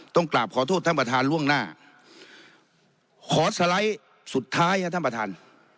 กราบขอโทษท่านประธานล่วงหน้าขอสไลด์สุดท้ายครับท่านประธาน